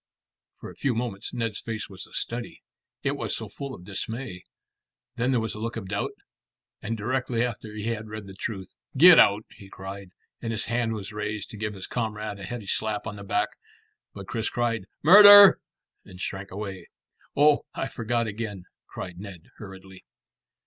For a few moments Ned's face was a study. It was so full of dismay. Then there was a look of doubt, and directly after he had read the truth. "Get out!" he cried, and his hand was raised to give his comrade a heavy slap on the back; but Chris cried "Murder!" and shrank away. "Oh, I forgot again," cried Ned hurriedly.